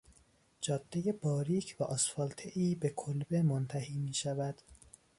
جادهی باریک و آسفالتهای به کلبه منتهی میشود.